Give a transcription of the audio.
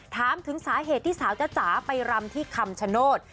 ถามถึงสาเหตุที่สาวจ๊ะจ๋าไปรำที่คำชโนธ